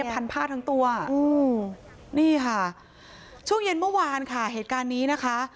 พันผ้าทั้งตัวอืมนี่ค่ะช่วงเย็นเมื่อวานค่ะเหตุการณ์นี้นะคะ